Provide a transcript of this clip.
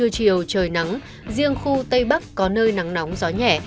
trưa chiều trời nắng riêng khu tây bắc có nơi nắng nóng gió nhẹ